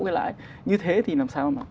cái lãi như thế thì làm sao mà